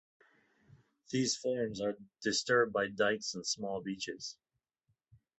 These forms are disturbed by dikes and small beaches.